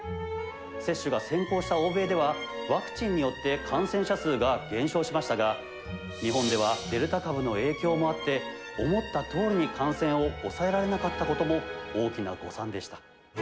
接種が先行した欧米では、ワクチンによって感染者数が減少しましたが、日本では、デルタ株の影響もあって、思ったとおりに感染を抑えられなかったことも、大きな誤算でした。